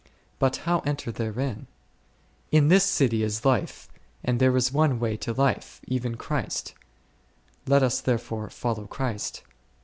But how enter therein ? In this city is life, and there is one way to life, even Christ ; let us therefore follow Christ.